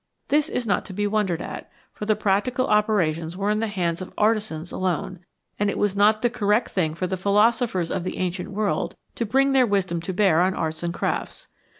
This is not to be wondered at, for the practical operations were in the hands of artisans alone, and it was not the correct thing for the philosophers of the ancient world to bring their wisdom to bear on arts and crafts.